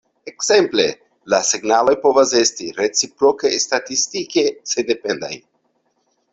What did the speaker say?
Ekzemple, la signaloj povas esti reciproke statistike sendependaj.